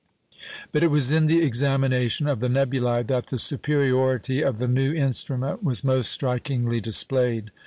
But it was in the examination of the nebulæ that the superiority of the new instrument was most strikingly displayed.